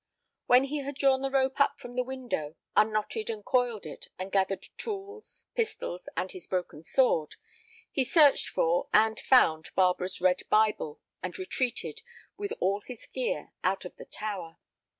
When he had drawn the rope up from the window, unknotted and coiled it, and gathered tools, pistols, and his broken sword, he searched for and found Barbara's red Bible, and retreated, with all his gear, out of the tower.